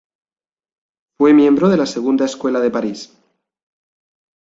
Fue miembro de la segunda Escuela de París.